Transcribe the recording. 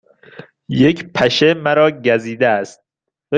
یک پشه مرا گزیده است.